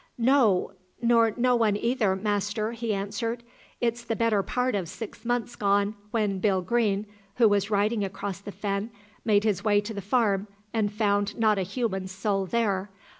"No; nor no one either, master," he answered. "It's the better part of six months gone, when Bill Green, who was riding across the fen, made his way to the farm and found not a human soul there.